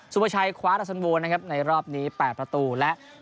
ซุประชัยคว้าทัศนวงนะครับในรอบนี้แปดประตูและ